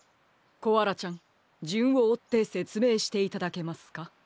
コアラちゃんじゅんをおってせつめいしていただけますか？